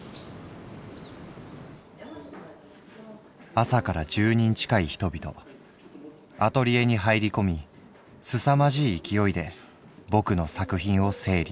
「朝から十人近い人々アトリエに入り込みすさまじい勢いでぼくの作品を整理。